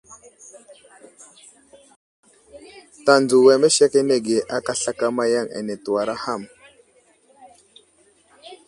Tanzo amesekenege aka slakama yaŋ ane tewara ham.